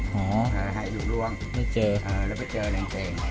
หาให้อยู่หลวงแล้วเจอแอนเกง